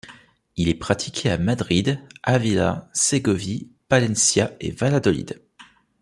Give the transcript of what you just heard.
Il est pratiqué à Madrid, Ávila, Ségovie, Palencia et Valladolid.